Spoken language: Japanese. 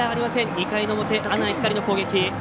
２回の表阿南光の攻撃。